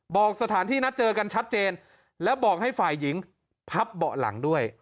บอกสถานที่นัดเจอกันชัดเจนแล้วบอกให้ฝ่ายหญิงพับเบาะหลังด้วย